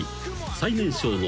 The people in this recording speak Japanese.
最年少の］